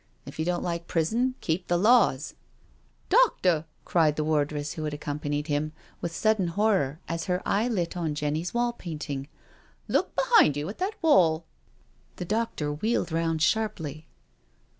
If you don't like prison, keep the laws "" Doctor 1 " cried the wardress who had accompanied him, with sudden horror, as her eye lit on Jenny's wall painting. " Look behind you at that wall." The doctor wheeled round sharply.